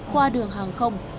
qua đường hàng không